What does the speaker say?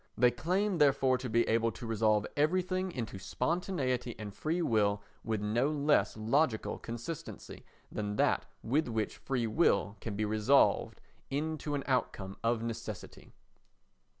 They claim, therefore, to be able to resolve everything into spontaneity and free will with no less logical consistency than that with which freewill can be resolved into an outcome of necessity.